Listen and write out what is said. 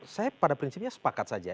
saya pada prinsipnya sepakat saja